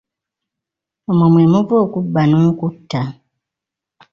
Omwo mwe muva okubba era n'okutta.